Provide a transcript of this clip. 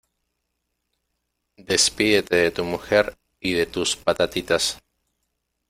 Despídete de tu mujer y de tus patatitas.